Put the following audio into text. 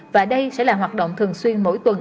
và đây sẽ là hoạt động thường xuyên mỗi tuần